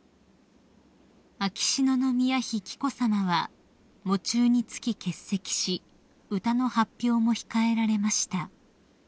［秋篠宮妃紀子さまは喪中につき欠席し歌の発表も控えられました］